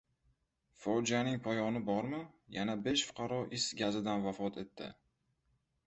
Fojianing poyoni bormi? Yana besh fuqaro is gazidan vafot etdi